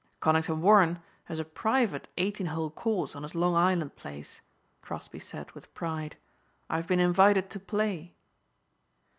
"Conington Warren has a private eighteen hole course on his Long Island place," Crosbeigh said with pride. "I've been invited to play."